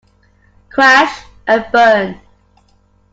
Crash and burn.